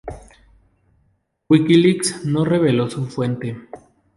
WikiLeaks no reveló su fuente.